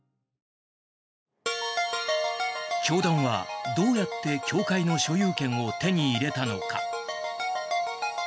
教団は、どうやって教会の所有権を手に入れたのか。